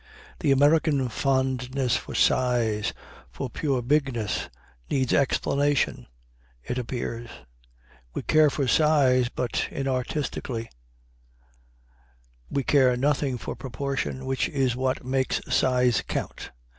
The American fondness for size for pure bigness needs explanation, it appears; we care for size, but inartistically; we care nothing for proportion, which is what makes size count.